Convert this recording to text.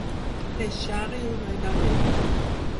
Deixar-hi un regalet.